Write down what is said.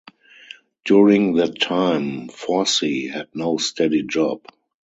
During that time Forssi had no steady job.